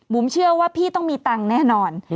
เชื่อว่าพี่ต้องมีตังค์แน่นอน